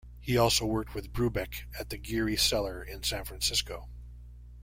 He also worked with Brubeck at the Geary Cellar in San Francisco.